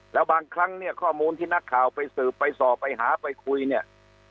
แล้วบางครั้งเนี่ยข้อมูลที่นักข่าวไปสืบไปสอบไปหาไปคุยเนี่ย